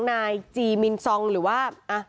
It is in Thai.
นายจีมินซองหรือว่า